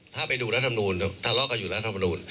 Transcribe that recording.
ถ้าไปดูรัฐธรรมดุถ้าเลาะกันอยู่รัฐธรรมดุ